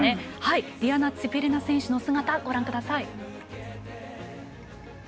ディアナ・ツィプリナ選手の姿ご覧ください。